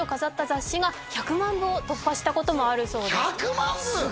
雑誌が１００万部を突破したこともあるそうです１００万部？